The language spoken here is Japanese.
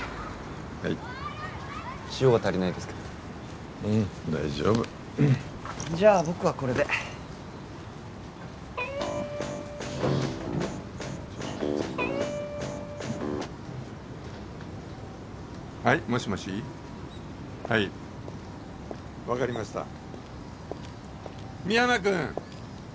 はい塩が足りないですけどうん大丈夫じゃあ僕はこれではいもしもしはい分かりました深山君！